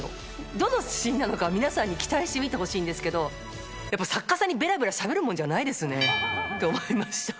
どのシーンなのか、皆さんに期待して見てほしいんですけど、やっぱ作家さんにべらべらしゃべるもんじゃないですね、と思いました。